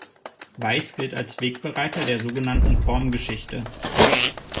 Weiß gilt als Wegbereiter der so genannten Formgeschichte.